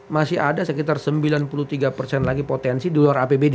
masih ada sekitar sembilan puluh tiga persen lagi potensi di luar apbd